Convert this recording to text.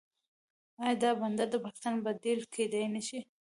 آیا دا بندر د پاکستان بدیل کیدی نشي؟